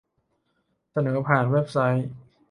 เสนอผ่านเว็บไซต์